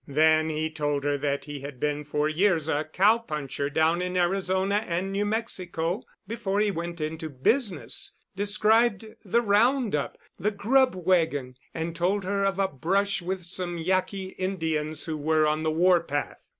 Then he told her that he had been for years a cowpuncher down in Arizona and New Mexico before he went into business, described the "round up," the grub wagon, and told her of a brush with some Yaqui Indians who were on the warpath.